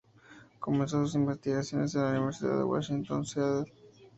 Comenzó sus investigaciones en la Universidad de Washington en Seattle.